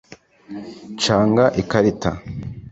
canga ikarita